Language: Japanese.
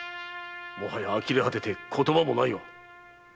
もはやあきれ果てて言葉もないわ。